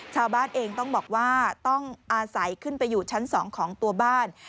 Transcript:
ชาวบ้านเองต้องบอกว่าต้องอาศัยขึ้นไปอยู่ชั้น๒ของตัวบ้าน